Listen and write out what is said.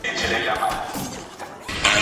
دا کار د زړه لپاره ښه دی.